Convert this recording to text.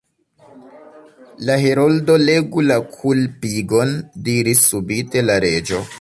"La Heroldo legu la kulpigon," diris subite la Reĝo.